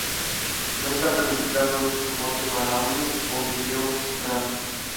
No está planificado soporte para audio o vídeo cifrado.